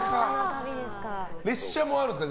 列車もあるんですか。